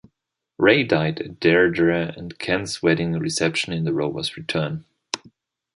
Ray died at Deirdre and Ken's wedding reception in the Rover's Return.